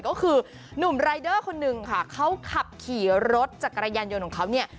ก็คือหนุ่มรายเดอร์คนหนึ่งค่ะเขาขับขี่รถจักรยานยนต์ของเขาเนี่ย